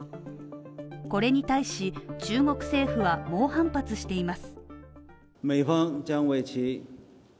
これに対し中国政府は猛反発しています。